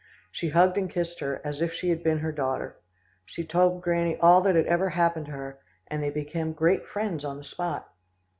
U., she hugged and kissed her, as if she had been her daughter. She told Granny all that had ever happened to her, and they became great friends on the spot."